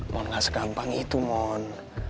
mon gak segampang itu mon